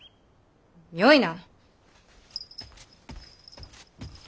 よいな！